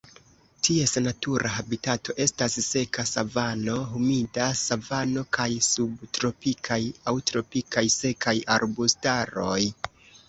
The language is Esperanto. Ties natura habitato estas seka savano, humida savano kaj subtropikaj aŭ tropikaj sekaj arbustaroj.